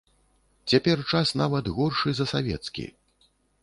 Цяпер час нават горшы за савецкі.